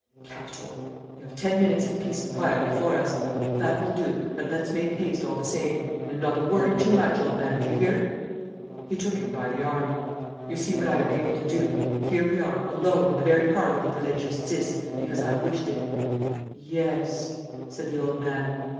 "Capital! We have ten minutes of peace and quiet before us. That will do, but let's make haste, all the same; and not a word too much, old man, do you hear?" He took him by the arm. "You see what I am able to do. Here we are, alone in the very heart of the Palais de Justice, because I wished it." "Yes," said the old man.